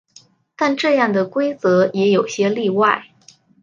但这样的规则也有些例外。